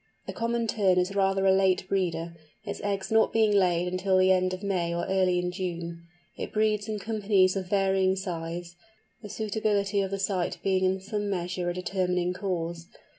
The Common Tern is rather a late breeder, its eggs not being laid until the end of May or early in June. It breeds in companies of varying size, the suitability of the site being in some measure a determining cause.